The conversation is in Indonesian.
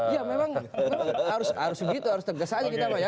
ya memang harus begitu harus tegas saja kita pak ya